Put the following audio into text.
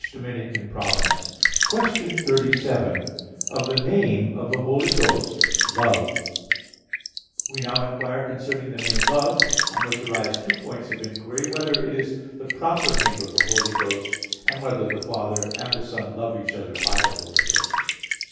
_______________________ QUESTION 37 OF THE NAME OF THE HOLY GHOST LOVE (In Two Articles) We now inquire concerning the name "Love," on which arise two points of inquiry: (1) Whether it is the proper name of the Holy Ghost? (2) Whether the Father and the Son love each other by the Holy Ghost?